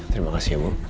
terima kasih bu